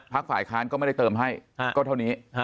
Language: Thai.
ฝ่ายค้านก็ไม่ได้เติมให้ก็เท่านี้